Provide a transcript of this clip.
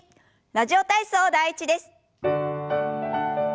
「ラジオ体操第１」です。